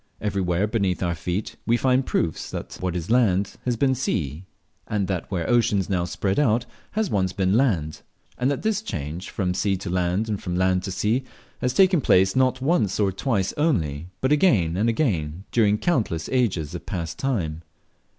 Everywhere beneath our feet we find proofs that what is land has been sea, and that where oceans now spread out has once been land; and that this change from sea to land, and from land to sea, has taken place, not once or twice only, but again and again, during countless ages of past time.